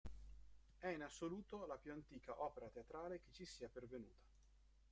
È in assoluto la più antica opera teatrale che ci sia pervenuta.